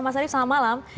mas arief selamat malam